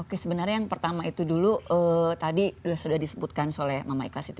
oke sebenarnya yang pertama itu dulu tadi sudah disebutkan oleh mama ikhlas itu